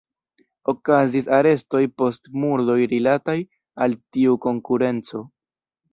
Okazis arestoj post murdoj rilataj al tiu konkurenco.